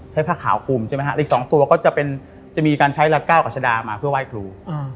ผ้าขาวคุมใช่ไหมฮะอีก๒ตัวก็จะมีการใช้ละ๙กัชดามาเพื่อไหว้ครู